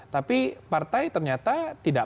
tapi partai ternyata tidak